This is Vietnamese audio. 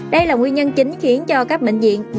đây là nguyên nhân chính khiến cho các bệnh viện